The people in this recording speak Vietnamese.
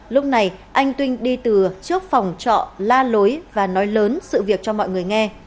lúc này anh tuyên đi từ trước phòng trọ la lối và nói lớn sự việc cho mọi người nghe